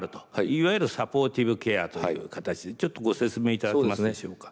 いわゆるサポーティブケアという形でちょっとご説明いただけますでしょうか？